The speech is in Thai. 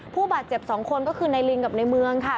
ผู้บาดเจ็บ๒คนก็คือนายลิงกับในเมืองค่ะ